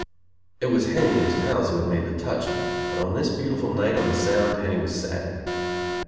It was Henny and his pals who had made the touch, but on this beautiful night on the Sound, Henny was sad.